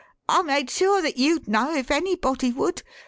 I made sure that you'd know if anybody would.